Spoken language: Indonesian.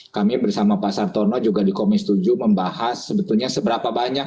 kami bersama pak sartono juga di komisi tujuh membahas sebetulnya seberapa banyak